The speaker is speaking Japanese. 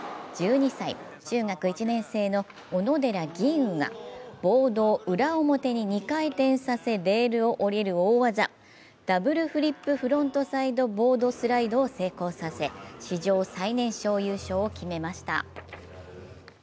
１２歳、中学１年生の小野寺吟雲がボードを裏表に２回転させレールを降りる大技、ダブルフリップ・フロントサイド・ボードスライドを成功させ史上最年少優勝を決めました。